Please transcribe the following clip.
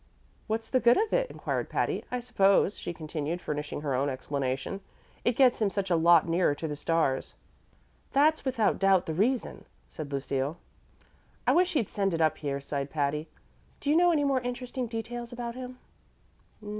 "What's the good of it?" inquired Patty. "I suppose," she continued, furnishing her own explanation, "it gets him such a lot nearer to the stars." "That's without doubt the reason," said Lucille. "I wish he'd send it up here," sighed Patty. "Do you know any more interesting details about him?"